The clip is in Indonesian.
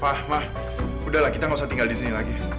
pak ma udahlah kita gak usah tinggal disini lagi